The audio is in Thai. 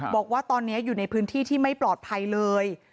บอกว่าตอนนี้อยู่ในพื้นที่ที่ไม่ปลอดภัยเลย